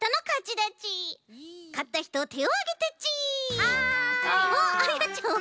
かったひとてをあげてち！